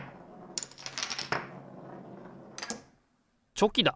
チョキだ！